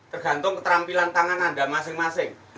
tergantung keterampilan tangan anda masing masing